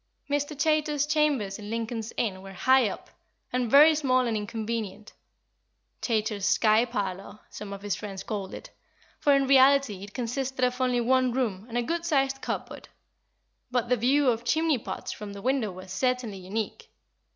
Mr. Chaytor's chambers in Lincoln's Inn were high up, and very small and inconvenient "Chaytor's sky parlour," some of his friends called it, for in reality it consisted of only one room and a good sized cupboard; but the view of chimney pots from the window was certainly unique.